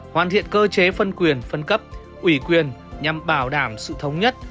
hoàn thiện cơ chế phân quyền phân cấp ủy quyền nhằm bảo đảm sự thống nhất